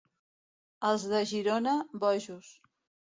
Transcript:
Els de Girona, bojos.